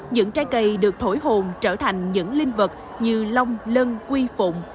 những trái cây được thổi hồn trở thành những trái cây đẹp